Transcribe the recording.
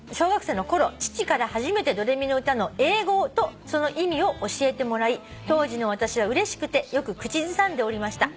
父から初めて『ドレミのうた』の英語とその意味を教えてもらい当時の私はうれしくてよく口ずさんでおりました。